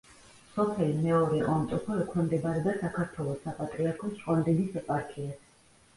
სოფელი მეორე ონტოფო ექვემდებარება საქართველოს საპატრიარქოს ჭყონდიდის ეპარქიას.